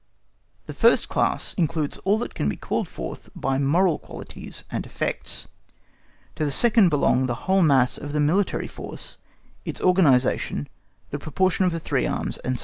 The first class includes all that can be called forth by moral qualities and effects; to the second belong the whole mass of the military force, its organisation, the proportion of the three arms, &c.